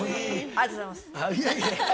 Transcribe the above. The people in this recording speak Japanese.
ありがとうございます。